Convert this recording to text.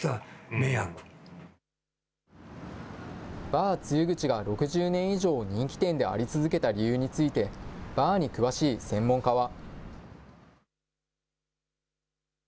バー露口が６０年以上、人気店であり続けた理由について、バーに詳しい専門家は。